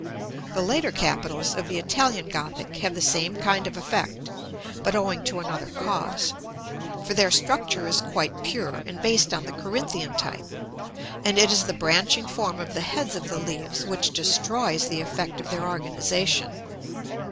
The later capitals of the Italian Gothic have the same kind of effect, but owing to another cause: for their structure is quite pure, and based on the Corinthian type: and it is the branching form of the heads of the leaves which destroys the effect of their organisation.